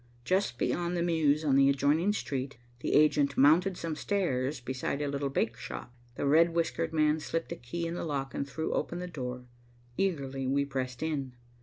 Just beyond the mews on the adjoining street, the agent mounted some stairs beside a little bakeshop. The red whiskered man slipped a key in the lock and threw open the door. Eagerly we pressed in.